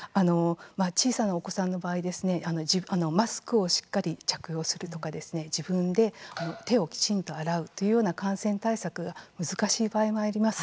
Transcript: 小さなお子さんの場合マスクをしっかり着用するとか自分で手をきちんと洗うというような感染対策が難しい場合もあります。